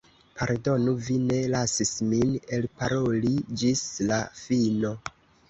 Pardonu, vi ne lasis min elparoli ĝis la fino.